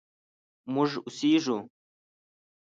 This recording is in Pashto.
مونږ اوسیږو